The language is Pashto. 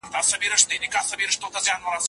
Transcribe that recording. دورکهايم ټولنپوهنه پر ساينسي بنسټونو ودروله.